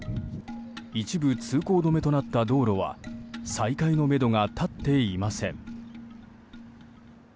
一部通行止めとなった道路は再開のめどが立っていません。